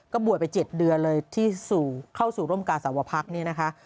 บวชไป๗เดือนเลยที่เข้าสู่ร่มกาสาวพักเนี่ยนะคะ